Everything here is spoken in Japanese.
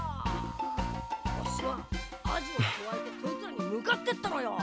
あっしはアジをくわえてそいつらに向かってったのよ。